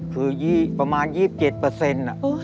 คือประมาณ๒๗เปอร์เซ็นต์